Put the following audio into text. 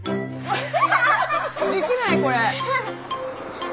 できないこれ。